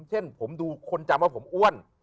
เช่นผมดูคนจำว่าผมอ้วน